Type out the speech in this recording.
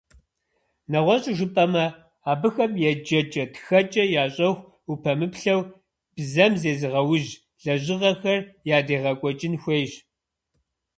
Нэгъуэщӏу жыпӏэмэ, абыхэм еджэкӏэ-тхэкӏэ ящӏэху упэмыплъэу, бзэм зезыгъэужь лэжьыгъэхэр ядегъэкӏуэкӏын хуейщ.